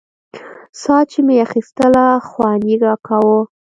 ساه چې مې اخيستله خوند يې راکاوه.